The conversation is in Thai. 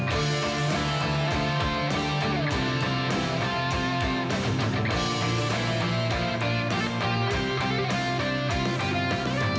จะกระยะทำงูหัวหวากน้ำเท่าไรไม่ยัน